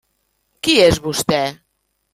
Qui és vostè?